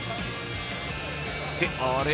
って、あれ？